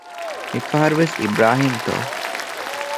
މި ފަހަރު ވެސް އިބްރާހީމްތޯ؟